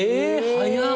早っ！